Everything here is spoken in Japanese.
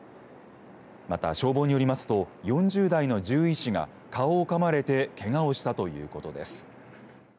また消防によりますと４０代の獣医師が顔をかまれてけがをしたということです。